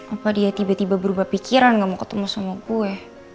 apa dia tiba tiba berubah pikiran gak mau ketemu sama gue